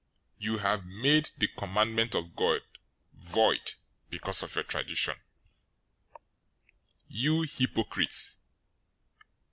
You have made the commandment of God void because of your tradition. 015:007 You hypocrites!